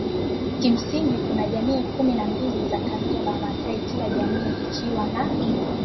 Kimsingi kuna jamii kumi na mbili za kabila la Wamasai kila jamii ikiwa na